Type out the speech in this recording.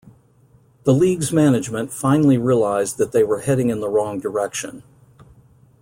The league's management finally realized that they were heading in the wrong direction.